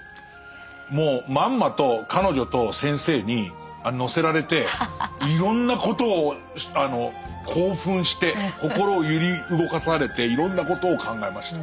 もうまんまと彼女と先生に乗せられていろんなことを興奮して心を揺り動かされていろんなことを考えました。